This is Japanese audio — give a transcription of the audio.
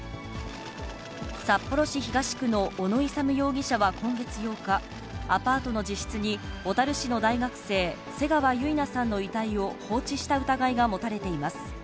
札幌市東区の小野勇容疑者は今月８日、アパートの自室に、小樽市の大学生、瀬川結菜さんの遺体を放置した疑いが持たれています。